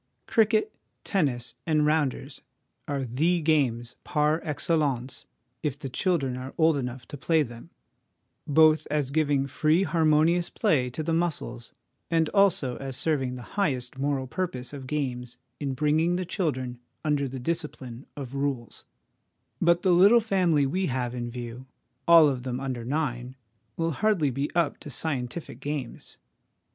Cricket, tennis, and rounders are the games par excellence if the children are old enough to play them, both as giving free harmonious play to the muscles, and also as serving the highest moral purpose of games in bring ing the children under the discipline of rules ; but the little family we have in view, all of them under nine, will hardly be up to scientific games.